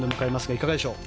いかがでしょう？